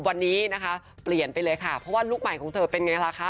วันนี้นะคะเปลี่ยนไปเลยค่ะเพราะว่าลูกใหม่ของเธอเป็นไงล่ะคะ